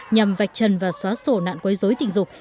nhằm vạch trần và xóa sổ nạn quấy dối tình dục